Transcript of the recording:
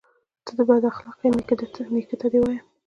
_ته بد اخلاقه يې، نيکه ته دې وايم.